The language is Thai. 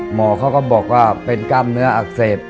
หมอเขาก็บอกว่าเป็นกล้ามเนื้ออักเสบ